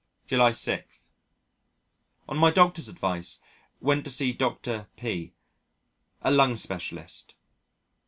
July 6. On my doctor's advice, went to see Dr. P , a lung specialist.